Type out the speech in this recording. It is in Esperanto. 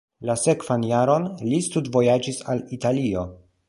La sekvan jaron li studvojaĝis al Italio.